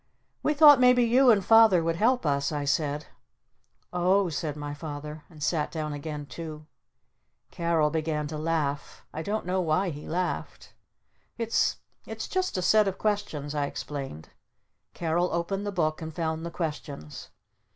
"We though maybe you and Father would help us," I said. "O h," said my Father. And sat down again too. Carol began to laugh. I don't know why he laughed. "It's it's just a set of questions," I explained. Carol opened the Book and found the questions.